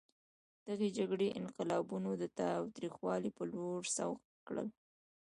دغې جګړې انقلابیون د تاوتریخوالي په لور سوق کړل.